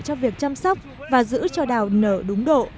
cho việc chăm sóc và giữ cho đào nở đúng độ